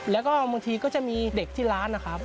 แล้วก็บางทีก็จะมีเด็กที่ร้านนะครับ